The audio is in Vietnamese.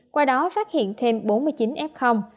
qua đó phát hiện thêm bốn mươi chín f